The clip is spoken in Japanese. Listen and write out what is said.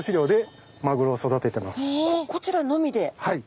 はい。